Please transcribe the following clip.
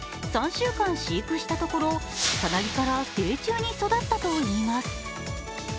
３週間飼育したところ、さなぎから成虫に育ったといいます。